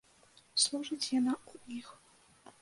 Служыць яна ў іх.